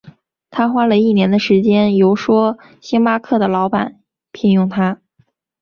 他花了一年的时间游说星巴克的老板聘用他。